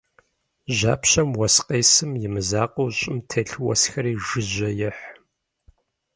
Жьапщэм уэс къесым и мызакъуэу, щӀым телъ уэсхэри жыжьэ ехь.